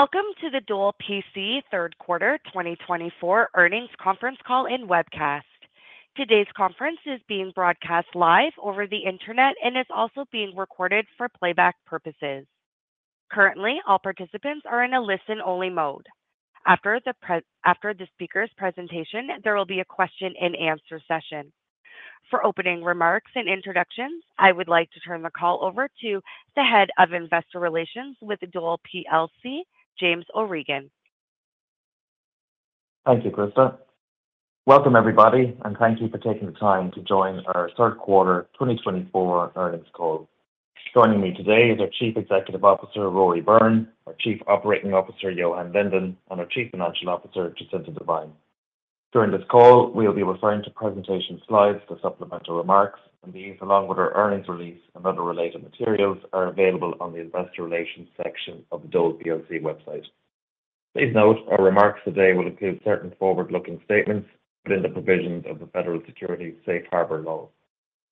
Welcome to the Dole plc Third Quarter 2024 Earnings Conference Call and Webcast. Today's conference is being broadcast live over the Internet and is also being recorded for playback purposes. Currently, all participants are in a listen-only mode. After the speaker's presentation, there will be a question-and-answer session. For opening remarks and introductions, I would like to turn the call over to the Head of Investor Relations with Dole plc, James O'Regan. Thank you, Krista. Welcome, everybody, and thank you for taking the time to join our Third Quarter 2024 Earnings Call. Joining me today are Chief Executive Officer Rory Byrne, our Chief Operating Officer Johan Lindén, and our Chief Financial Officer Jacinta Devine. During this call, we'll be referring to presentation slides for supplemental remarks, and these along with our earnings release and other related materials are available on the Investor Relations section of the Dole plc website. Please note our remarks today will include certain forward-looking statements within the provisions of the Federal Securities Safe Harbor Law.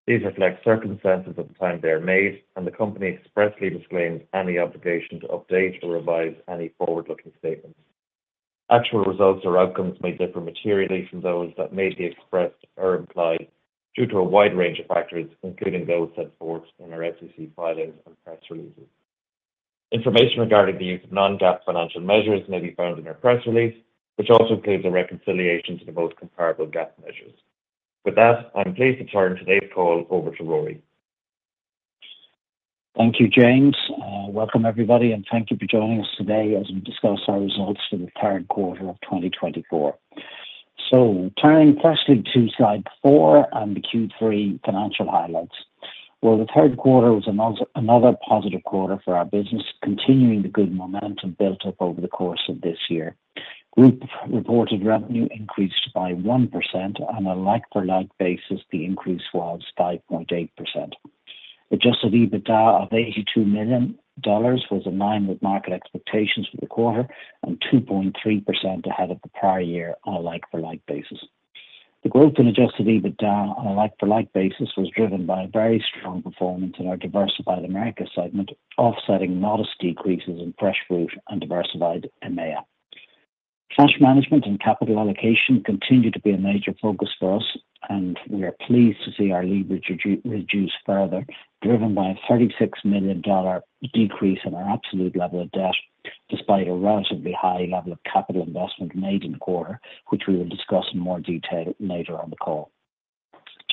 These reflect circumstances at the time they are made, and the company expressly disclaims any obligation to update or revise any forward-looking statements. Actual results or outcomes may differ materially from those that may be expressed or implied due to a wide range of factors, including those set forth in our SEC filings and press releases. Information regarding the use of non-GAAP financial measures may be found in our press release, which also includes a reconciliation to the most comparable GAAP measures. With that, I'm pleased to turn today's call over to Rory. Thank you, James. Welcome, everybody, and thank you for joining us today as we discuss our results for the third quarter of 2024. Turning firstly to slide four and the Q3 financial highlights. The third quarter was another positive quarter for our business, continuing the good momentum built up over the course of this year. Group reported revenue increased by 1%, and on a like-for-like basis, the increase was 5.8%. Adjusted EBITDA of $82 million was in line with market expectations for the quarter and 2.3% ahead of the prior year on a like-for-like basis. The growth in adjusted EBITDA on a like-for-like basis was driven by a very strong performance in our Diversified Americas segment, offsetting modest decreases in Fresh Fruit and Diversified EMEA. Cash management and capital allocation continue to be a major focus for us, and we are pleased to see our leverage reduced further, driven by a $36 million decrease in our absolute level of debt, despite a relatively high level of capital investment made in the quarter, which we will discuss in more detail later on the call.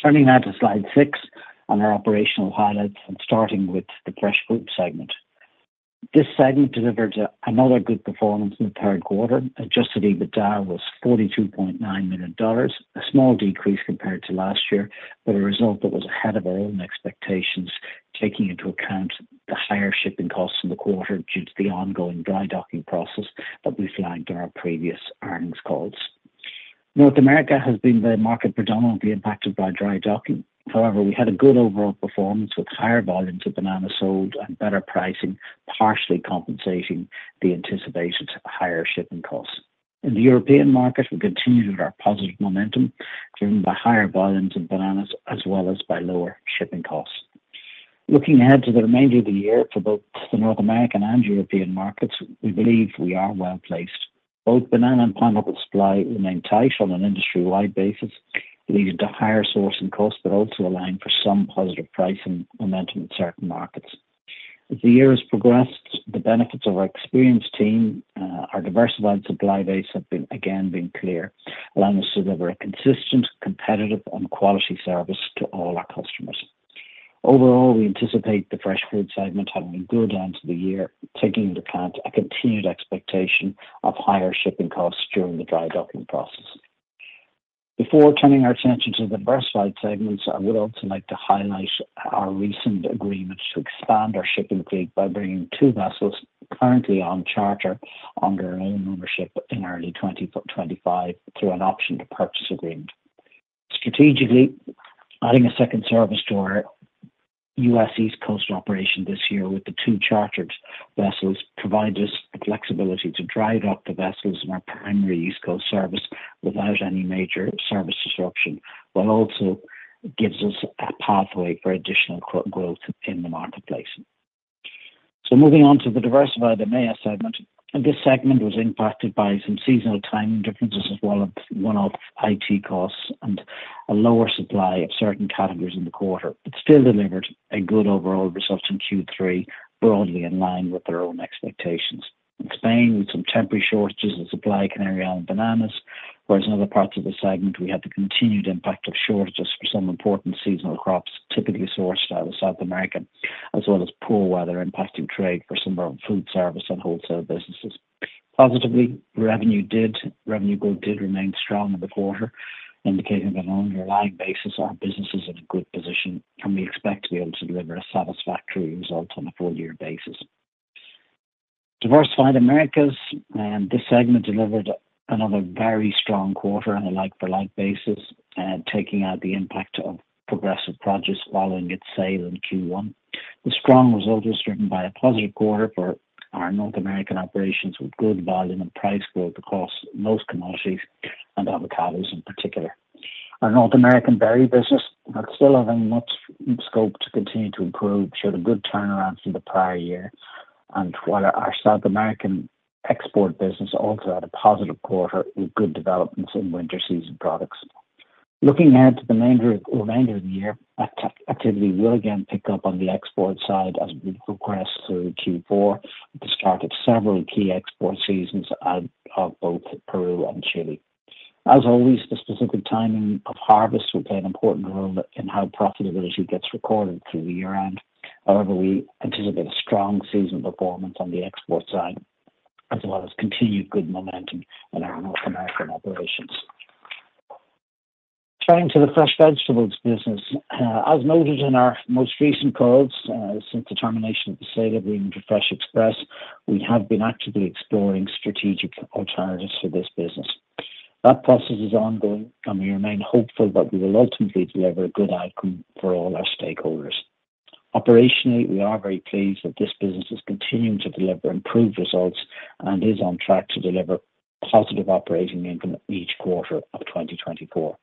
Turning now to slide six on our operational highlights and starting with the Fresh Fruit segment. This segment delivered another good performance in the third quarter. Adjusted EBITDA was $42.9 million, a small decrease compared to last year, but a result that was ahead of our own expectations, taking into account the higher shipping costs in the quarter due to the ongoing dry docking process that we flagged on our previous earnings calls. North America has been the market predominantly impacted by dry docking. However, we had a good overall performance with higher volumes of bananas sold and better pricing, partially compensating the anticipated higher shipping costs. In the European market, we continued with our positive momentum, driven by higher volumes of bananas as well as by lower shipping costs. Looking ahead to the remainder of the year for both the North American and European markets, we believe we are well placed. Both banana and pineapple supply remain tight on an industry-wide basis, leading to higher sourcing costs, but also allowing for some positive pricing momentum in certain markets. As the year has progressed, the benefits of our experienced team, our diversified supply base have again been clear, allowing us to deliver a consistent, competitive, and quality service to all our customers. Overall, we anticipate the Fresh Fruit segment having a good end to the year, taking into account a continued expectation of higher shipping costs during the dry docking process. Before turning our attention to the diversified segments, I would also like to highlight our recent agreement to expand our shipping fleet by bringing two vessels currently on charter under our own ownership in early 2025 through an option to purchase agreement. Strategically, adding a second service to our U.S. East Coast operation this year with the two chartered vessels provides us the flexibility to dry dock the vessels in our primary East Coast service without any major service disruption, while also gives us a pathway for additional growth in the marketplace. Moving on to the Diversified EMEA segment, this segment was impacted by some seasonal timing differences as well as one-off IT costs and a lower supply of certain categories in the quarter, but still delivered a good overall result in Q3, broadly in line with our own expectations. In Spain, with some temporary shortages in supply of Canary Islands bananas, whereas in other parts of the segment, we had the continued impact of shortages for some important seasonal crops, typically sourced out of South America, as well as poor weather impacting trade for some of our food service and wholesale businesses. Positively, revenue growth did remain strong in the quarter, indicating that on an underlying basis, our business is in a good position, and we expect to be able to deliver a satisfactory result on a full-year basis. Diversified Americas, this segment delivered another very strong quarter on a like-for-like basis, taking out the impact of Progressive Produce following its sale in Q1. The strong result was driven by a positive quarter for our North American operations with good volume and price growth across most commodities and avocados in particular. Our North American berry business, while still having much scope to continue to improve, showed a good turnaround from the prior year, and while our South American export business also had a positive quarter with good developments in winter season products. Looking ahead to the remainder of the year, activity will again pick up on the export side as we progress through Q4, which has started several key export seasons out of both Peru and Chile. As always, the specific timing of harvest will play an important role in how profitability gets recorded through the year-end. However, we anticipate a strong seasonal performance on the export side, as well as continued good momentum in our North American operations. Turning to the Fresh Vegetables business, as noted in our most recent calls since the termination of the sale agreement to Fresh Express, we have been actively exploring strategic alternatives for this business. That process is ongoing, and we remain hopeful that we will ultimately deliver a good outcome for all our stakeholders. Operationally, we are very pleased that this business is continuing to deliver improved results and is on track to deliver positive operating income each quarter of 2024.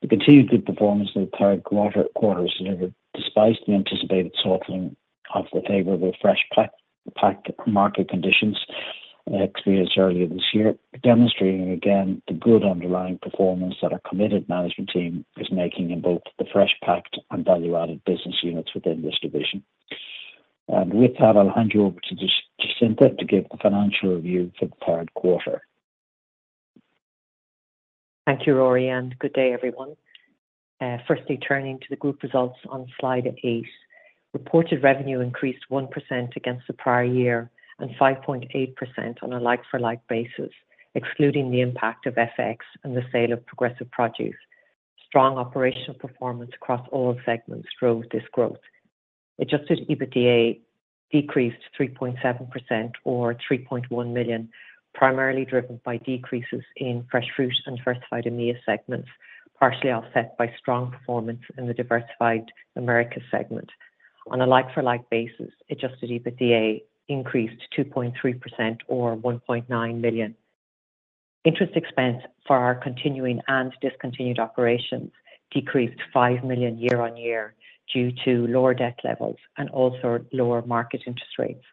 The continued good performance in the third quarter was delivered despite the anticipated softening of the favorable fresh pack market conditions experienced earlier this year, demonstrating again the good underlying performance that our committed management team is making in both the fresh packed and value-added business units within this division. And with that, I'll hand you over to Jacinta to give the financial review for the third quarter. Thank you, Rory, and good day, everyone. Firstly, turning to the group results on slide eight, reported revenue increased 1% against the prior year and 5.8% on a like-for-like basis, excluding the impact of FX and the sale of Progressive Produce. Strong operational performance across all segments drove this growth. Adjusted EBITDA decreased 3.7% or $3.1 million, primarily driven by decreases in Fresh Fruit and Diversified EMEA segments, partially offset by strong performance in the Diversified Americas segment. On a like-for-like basis, adjusted EBITDA increased 2.3% or $1.9 million. Interest expense for our continuing and discontinued operations decreased $5 million year-on-year due to lower debt levels and also lower market interest rates.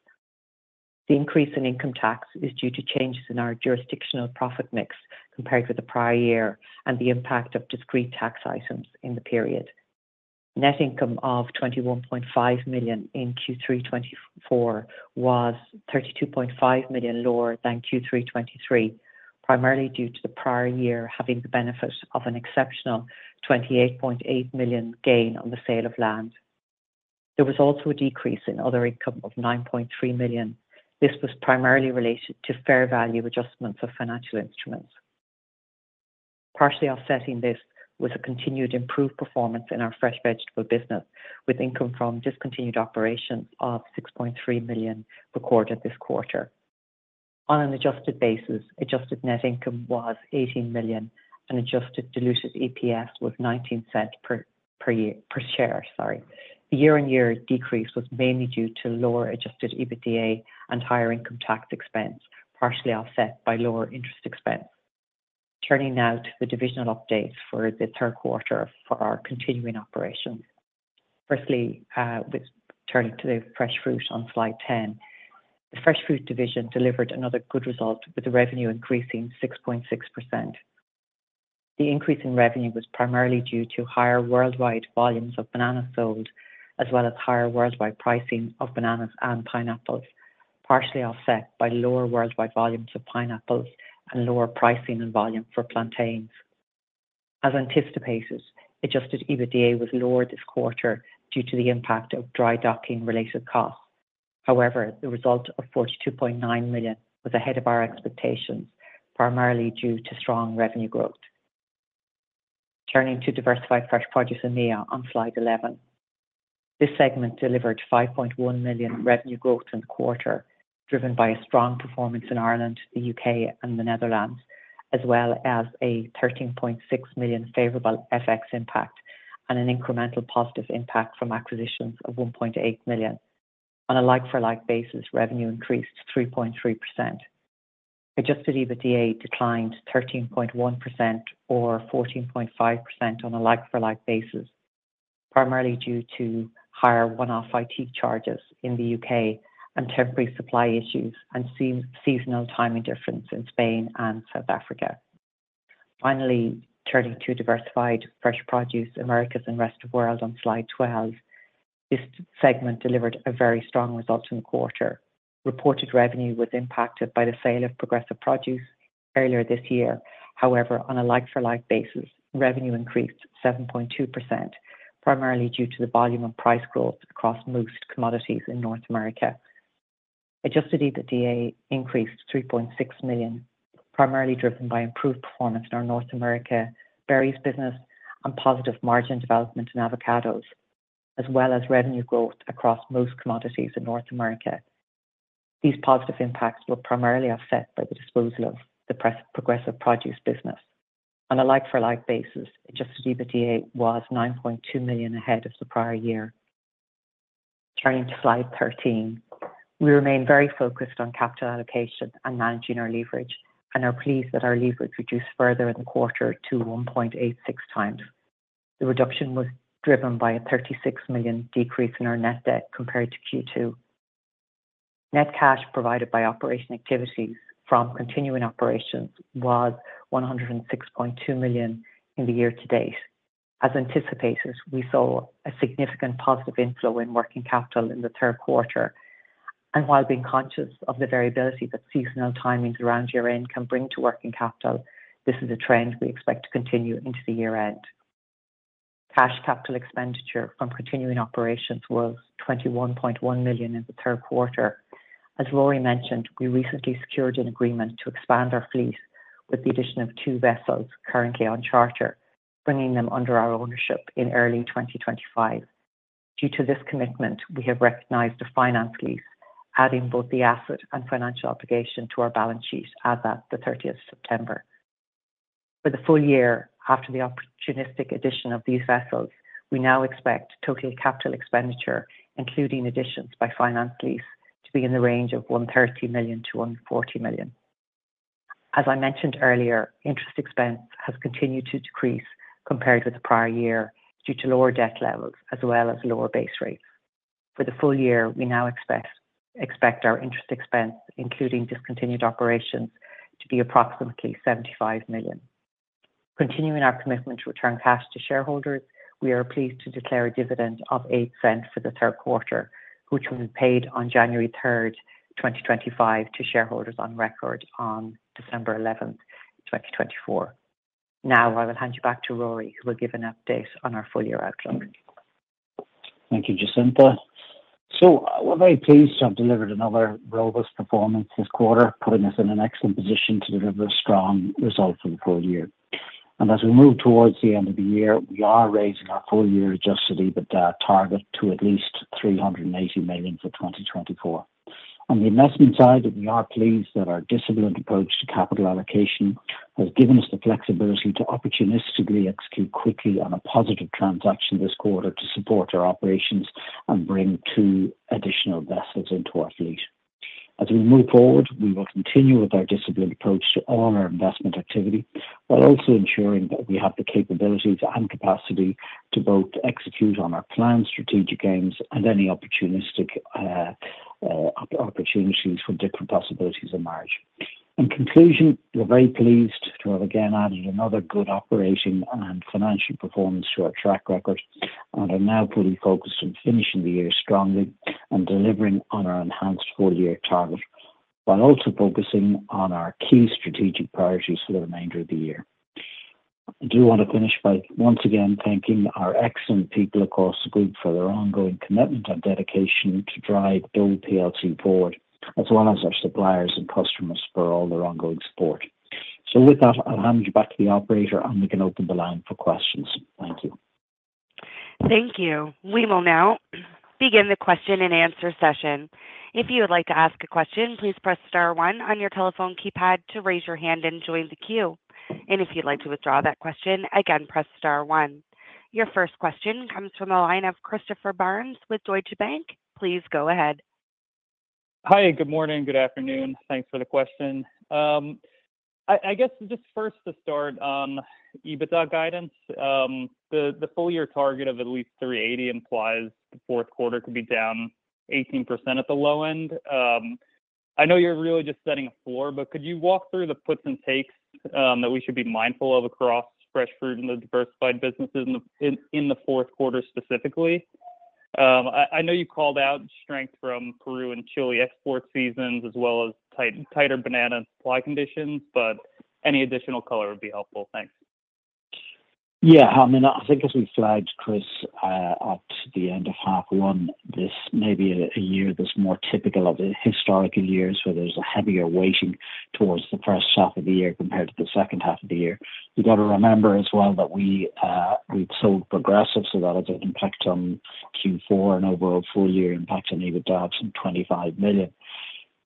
The increase in income tax is due to changes in our jurisdictional profit mix compared with the prior year and the impact of discrete tax items in the period. Net income of $21.5 million in Q3 2024 was $32.5 million lower than Q3 2023, primarily due to the prior year having the benefit of an exceptional $28.8 million gain on the sale of land. There was also a decrease in other income of $9.3 million. This was primarily related to fair value adjustments of financial instruments. Partially offsetting this was a continued improved performance in our fresh vegetable business, with income from discontinued operations of $6.3 million recorded this quarter. On an adjusted basis, adjusted net income was $18 million, and Adjusted Diluted EPS was $0.19 per share. The year-on-year decrease was mainly due to lower adjusted EBITDA and higher income tax expense, partially offset by lower interest expense. Turning now to the divisional updates for the third quarter for our continuing operations. Firstly, turning to the Fresh Fruit on slide 10, the Fresh Fruit division delivered another good result, with the revenue increasing 6.6%. The increase in revenue was primarily due to higher worldwide volumes of bananas sold, as well as higher worldwide pricing of bananas and pineapples, partially offset by lower worldwide volumes of pineapples and lower pricing and volume for plantains. As anticipated, Adjusted EBITDA was lower this quarter due to the impact of dry docking-related costs. However, the result of $42.9 million was ahead of our expectations, primarily due to strong revenue growth. Turning to Diversified Fresh Produce EMEA on slide 11, this segment delivered $5.1 million revenue growth in the quarter, driven by a strong performance in Ireland, the U.K., and the Netherlands, as well as a $13.6 million favorable FX impact and an incremental positive impact from acquisitions of $1.8 million. On a like-for-like basis, revenue increased 3.3%. Adjusted EBITDA declined 13.1% or 14.5% on a like-for-like basis, primarily due to higher one-off IT charges in the U.K. and temporary supply issues and seasonal timing difference in Spain and South Africa. Finally, turning to Diversified Fresh Produce Americas and Rest of the World on slide 12, this segment delivered a very strong result in the quarter. Reported revenue was impacted by the sale of Progressive Produce earlier this year. However, on a like-for-like basis, revenue increased 7.2%, primarily due to the volume and price growth across most commodities in North America. Adjusted EBITDA increased $3.6 million, primarily driven by improved performance in our North America berries business and positive margin development in avocados, as well as revenue growth across most commodities in North America. These positive impacts were primarily offset by the disposal of the Progressive Produce business. On a like-for-like basis, Adjusted EBITDA was $9.2 million ahead of the prior year. Turning to slide 13, we remain very focused on capital allocation and managing our leverage and are pleased that our leverage reduced further in the quarter to 1.86 times. The reduction was driven by a $36 million decrease in our net debt compared to Q2. Net cash provided by operating activities from continuing operations was $106.2 million in the year to date. As anticipated, we saw a significant positive inflow in working capital in the third quarter, and while being conscious of the variability that seasonal timings around year-end can bring to working capital, this is a trend we expect to continue into the year-end. Cash capital expenditure from continuing operations was $21.1 million in the third quarter. As Rory mentioned, we recently secured an agreement to expand our fleet with the addition of two vessels currently on charter, bringing them under our ownership in early 2025. Due to this commitment, we have recognized a finance lease, adding both the asset and financial obligation to our balance sheet as of the 30th of September. For the full year after the opportunistic addition of these vessels, we now expect total capital expenditure, including additions by finance lease, to be in the range of $130 million-$140 million. As I mentioned earlier, interest expense has continued to decrease compared with the prior year due to lower debt levels as well as lower base rates. For the full year, we now expect our interest expense, including discontinued operations, to be approximately $75 million. Continuing our commitment to return cash to shareholders, we are pleased to declare a dividend of $0.08 for the third quarter, which will be paid on January 3rd, 2025, to shareholders on record on December 11th, 2024. Now, I will hand you back to Rory, who will give an update on our full year outlook. Thank you, Jacinta. So we're very pleased to have delivered another robust performance this quarter, putting us in an excellent position to deliver a strong result for the full year. And as we move towards the end of the year, we are raising our full year Adjusted EBITDA target to at least $380 million for 2024. On the investment side, we are pleased that our disciplined approach to capital allocation has given us the flexibility to opportunistically execute quickly on a positive transaction this quarter to support our operations and bring two additional vessels into our fleet. As we move forward, we will continue with our disciplined approach to all our investment activity, while also ensuring that we have the capabilities and capacity to both execute on our planned strategic aims and any opportunistic opportunities for different possibilities of margin. In conclusion, we're very pleased to have again added another good operating and financial performance to our track record and are now fully focused on finishing the year strongly and delivering on our enhanced full year target, while also focusing on our key strategic priorities for the remainder of the year. I do want to finish by once again thanking our excellent people across the group for their ongoing commitment and dedication to drive Dole plc forward, as well as our suppliers and customers for all their ongoing support. So with that, I'll hand you back to the operator, and we can open the line for questions. Thank you. Thank you. We will now begin the question and answer session. If you would like to ask a question, please press star one on your telephone keypad to raise your hand and join the queue. And if you'd like to withdraw that question, again, press star one. Your first question comes from the line of Christopher Barnes with Deutsche Bank. Please go ahead. Hi, good morning, good afternoon. Thanks for the question. I guess just first to start on EBITDA guidance, the full year target of at least 380 implies the fourth quarter could be down 18% at the low end. I know you're really just setting a floor, but could you walk through the puts and takes that we should be mindful of across Fresh Fruit and the diversified businesses in the fourth quarter specifically? I know you called out strength from Peru and Chile export seasons as well as tighter banana supply conditions, but any additional color would be helpful. Thanks. Yeah, I mean, I think as we flagged, Chris, at the end of half one, this may be a year that's more typical of the historical years where there's a heavier weighting towards the first half of the year compared to the second half of the year. You've got to remember as well that we've sold Progressive, so that has an impact on Q4 and overall full year impact on EBITDA of some $25 million.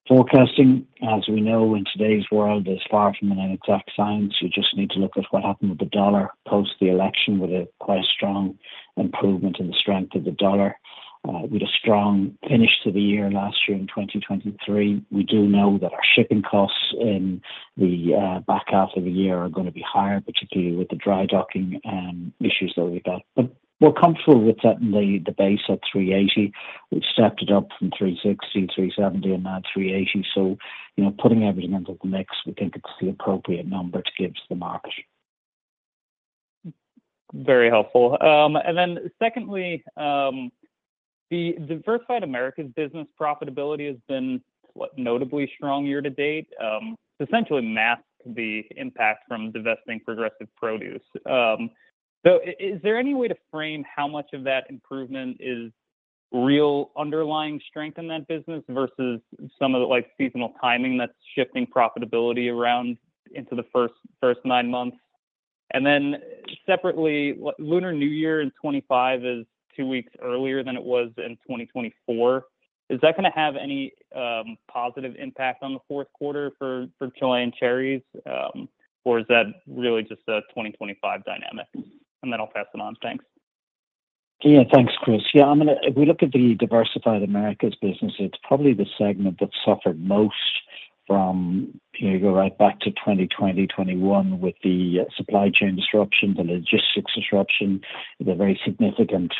Forecasting, as we know in today's world, is far from an exact science. You just need to look at what happened with the dollar post the election with a quite strong improvement in the strength of the dollar. We had a strong finish to the year last year in 2023. We do know that our shipping costs in the back half of the year are going to be higher, particularly with the dry docking issues that we've got. But we're comfortable with setting the base at 380. We've stepped it up from 360, 370, and now 380. So putting everything into the mix, we think it's the appropriate number to give to the market. Very helpful. And then secondly, the Diversified Americas business profitability has been notably strong year to date. It essentially masks the impact from divesting Progressive Produce. So is there any way to frame how much of that improvement is real underlying strength in that business versus some of the seasonal timing that's shifting profitability around into the first nine months? And then separately, Lunar New Year in 2025 is two weeks earlier than it was in 2024. Is that going to have any positive impact on the fourth quarter for Chilean cherries, or is that really just a 2025 dynamic? And then I'll pass it on. Thanks. Yeah, thanks, Chris. Yeah, I mean, if we look at the Diversified Americas business, it's probably the segment that suffered most from, you know, you go right back to 2020, 2021 with the supply chain disruption, the logistics disruption, the very significant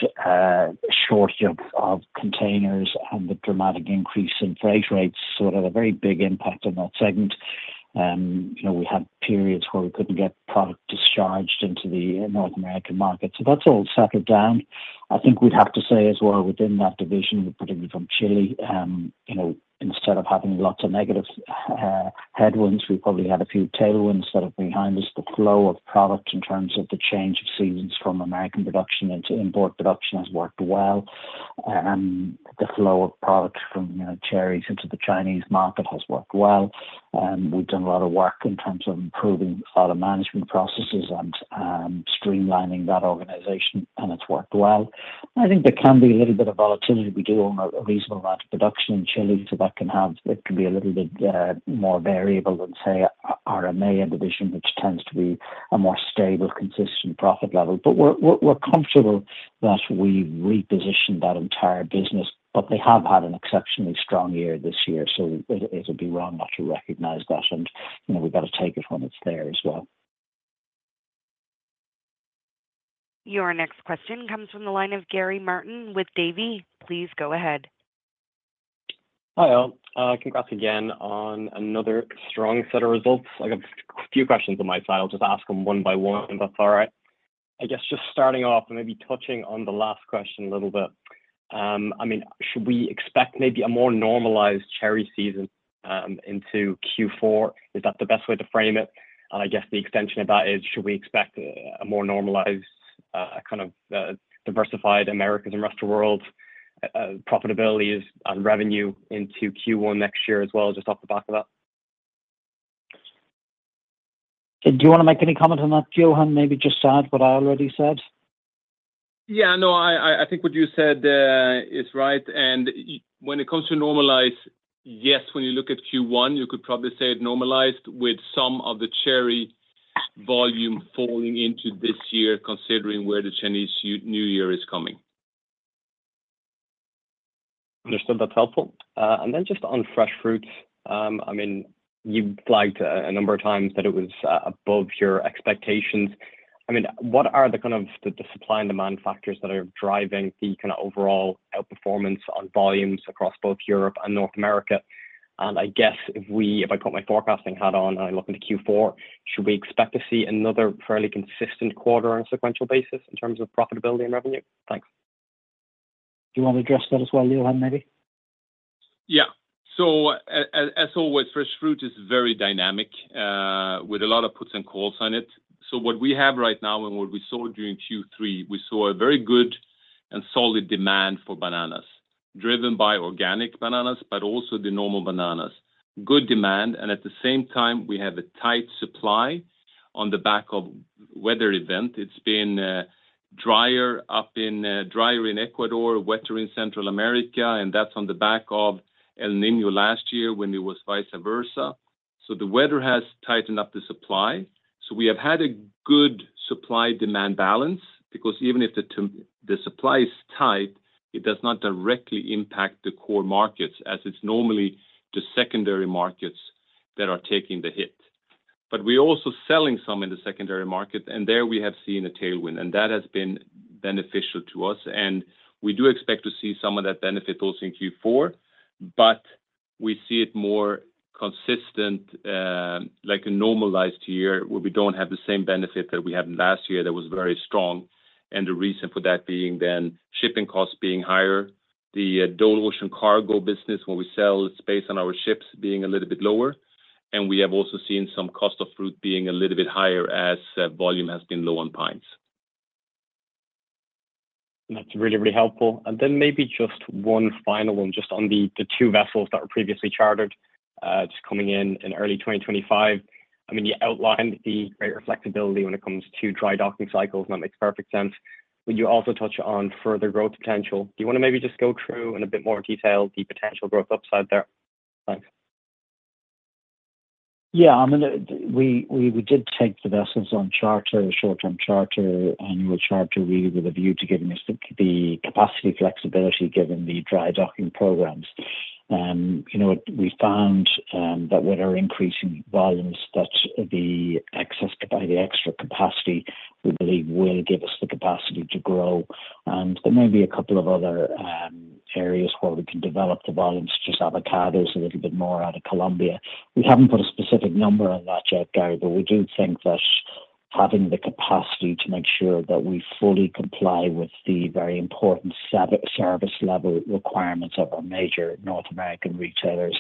shortage of containers and the dramatic increase in freight rates sort of a very big impact on that segment. We had periods where we couldn't get product discharged into the North American market. So that's all settled down. I think we'd have to say as well within that division, particularly from Chile, instead of having lots of negative headwinds, we probably had a few tailwinds that are behind us. The flow of product in terms of the change of seasons from American production into import production has worked well. The flow of product from cherries into the Chinese market has worked well. We've done a lot of work in terms of improving our management processes and streamlining that organization, and it's worked well. I think there can be a little bit of volatility. We do own a reasonable amount of production in Chile, so that can be a little bit more variable than, say, our EMEA division, which tends to be a more stable, consistent profit level. But we're comfortable that we've repositioned that entire business, but they have had an exceptionally strong year this year, so it would be wrong not to recognize that. And we've got to take it when it's there as well. Your next question comes from the line of Gary Martin with Davy. Please go ahead. Hi, all. Congrats again on another strong set of results. I've got a few questions on my side. I'll just ask them one by one, if that's all right. I guess just starting off and maybe touching on the last question a little bit, I mean, should we expect maybe a more normalized cherry season into Q4? Is that the best way to frame it? And I guess the extension of that is, should we expect a more normalized kind of Diversified Americas' and Rest of the World's profitabilities and revenue into Q1 next year as well, just off the back of that? Do you want to make any comment on that, Johan, maybe just add what I already said? Yeah, no, I think what you said is right. And when it comes to normalize, yes, when you look at Q1, you could probably say it normalized with some of the cherry volume falling into this year, considering where the Chinese New Year is coming. Understood. That's helpful. And then just on Fresh Fruit, I mean, you flagged a number of times that it was above your expectations. I mean, what are the kind of the supply and demand factors that are driving the kind of overall outperformance on volumes across both Europe and North America? And I guess if I put my forecasting hat on and I look into Q4, should we expect to see another fairly consistent quarter on a sequential basis in terms of profitability and revenue? Thanks. Do you want to address that as well, Johan, maybe? Yeah. So as always, Fresh Fruit is very dynamic with a lot of puts and calls on it. So what we have right now and what we saw during Q3, we saw a very good and solid demand for bananas driven by organic bananas, but also the normal bananas. Good demand. And at the same time, we have a tight supply on the back of weather event. It's been drier up in Ecuador, wetter in Central America, and that's on the back of El Niño last year when it was vice versa. So the weather has tightened up the supply. So we have had a good supply-demand balance because even if the supply is tight, it does not directly impact the core markets as it's normally the secondary markets that are taking the hit. But we're also selling some in the secondary market, and there we have seen a tailwind, and that has been beneficial to us. And we do expect to see some of that benefit also in Q4, but we see it more consistent like a normalized year where we don't have the same benefit that we had last year that was very strong. And the reason for that being then shipping costs being higher. The Dole Ocean Cargo business, when we sell, it's based on our ships being a little bit lower. And we have also seen some cost of fruit being a little bit higher as volume has been low on pines. That's really, really helpful. And then maybe just one final one just on the two vessels that were previously chartered just coming in in early 2025. I mean, you outlined the great flexibility when it comes to dry docking cycles, and that makes perfect sense. But you also touch on further growth potential. Do you want to maybe just go through in a bit more detail the potential growth upside there? Thanks. Yeah. I mean, we did take the vessels on charter, short-term charter, annual charter really with a view to giving us the capacity flexibility given the dry docking programs. We found that when there are increasing volumes, that the excess by the extra capacity, we believe, will give us the capacity to grow. And there may be a couple of other areas where we can develop the volumes, just avocados a little bit more out of Colombia. We haven't put a specific number on that yet, Gary, but we do think that having the capacity to make sure that we fully comply with the very important service level requirements of our major North American retailers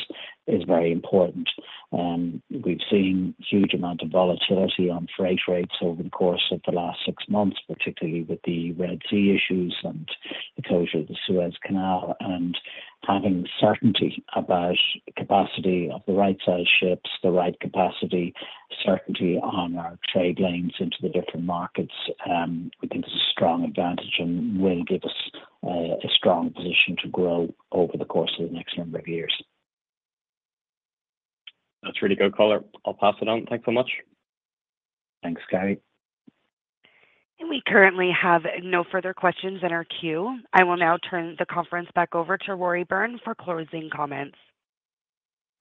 is very important. We've seen a huge amount of volatility on freight rates over the course of the last six months, particularly with the Red Sea issues and the closure of the Suez Canal, and having certainty about capacity of the right-sized ships, the right capacity, certainty on our trade lanes into the different markets, we think is a strong advantage and will give us a strong position to grow over the course of the next number of years. That's really good color. I'll pass it on. Thanks so much. Thanks, Gary. We currently have no further questions in our queue. I will now turn the conference back over to Rory Byrne for closing comments.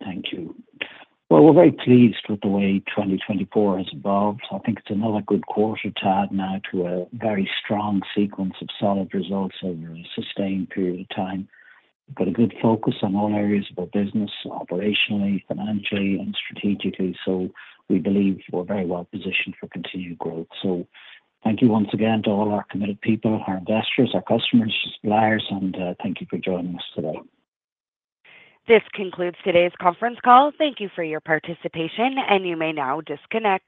Thank you. Well, we're very pleased with the way 2024 has evolved. I think it's another good quarter to add now to a very strong sequence of solid results over a sustained period of time. We've got a good focus on all areas of our business, operationally, financially, and strategically. So we believe we're very well positioned for continued growth. So thank you once again to all our committed people, our investors, our customers, suppliers, and thank you for joining us today. This concludes today's conference call. Thank you for your participation, and you may now disconnect.